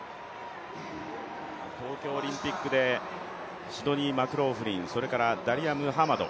東京オリンピックでシドニー・マクローフリン、それからムハマド